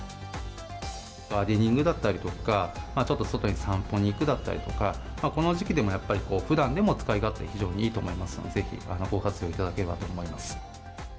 ガーデニングだったりとか、ちょっと外に散歩にいくだったりとか、この時期でもやっぱりふだんでも使い勝手、非常にいいと思いますので、ぜひご活用いただければと思います。